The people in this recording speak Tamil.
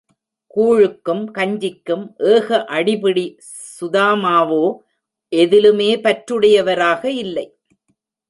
கூழுக்கும் கஞ்சிக்கும் ஏக அடிபிடி சுதாமாவோ எதிலுமே பற்றுடையவராக இல்லை.